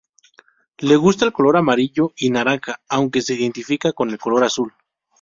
Le gusta el color amarillo y naranja aunque se identifica con el color azul.